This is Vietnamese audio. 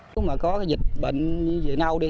nếu mà có dịch bệnh như dị nâu đi